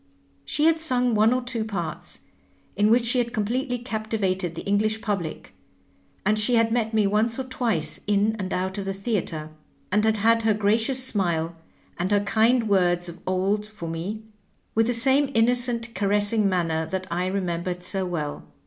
She had sung one or two parts, in which she had completely captivated the English public, and she had met me once or twice in and out of the theatre, and had had her gracious smile and her kind words of old for me, with the same innocent caressing manner that I re membered so well.